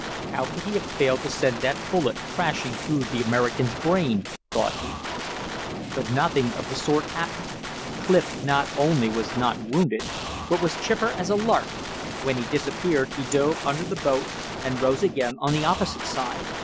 How could he have failed to send that bullet crashing through the American's brain? thought he. But nothing of the sort happened. Clif not only was not wounded, but was chipper as a lark. When he disappeared, he dove under the boat and rose again on the opposite side.